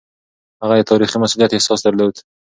هغه د تاريخي مسووليت احساس درلود.